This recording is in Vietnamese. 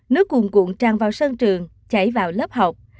nước cuồn cuộn tràn vào sân trường chảy vào lớp học